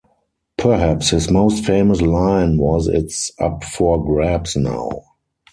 Perhaps his most famous line was it's up for grabs now!